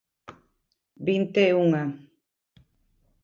Vinte e unha.